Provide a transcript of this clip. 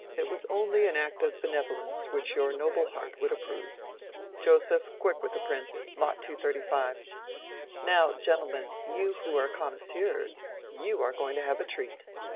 It was only an act of benevolence which your noble heart would approve. Joseph! quick with the prints—Lot 235. Now, gentlemen, you who are connoiss_ures_, you are going to have a treat.